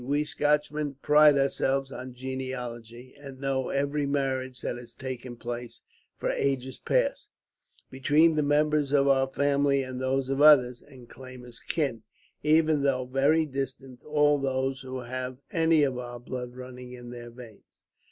We Scotchmen pride ourselves on genealogy, and know every marriage that has taken place, for ages past, between the members of our family and those of others; and claim as kin, even though very distant, all those who have any of our blood running in their veins.